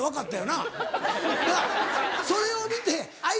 なぁそれを見て。